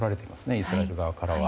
イスラエル側からは。